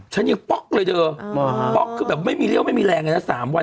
ฉันยังป๊อกเลยเธอป๊อกคือแบบไม่มีเรี่ยวไม่มีแรงเลยนะ๓วัน